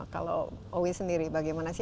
kalau owi sendiri bagaimana sih